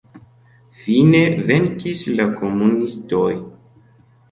Fine venkis la komunistoj.